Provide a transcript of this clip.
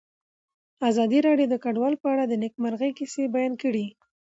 ازادي راډیو د کډوال په اړه د نېکمرغۍ کیسې بیان کړې.